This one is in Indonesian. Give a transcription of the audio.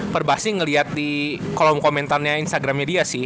perbasi ngeliat di kolom komentarnya instagramnya dia sih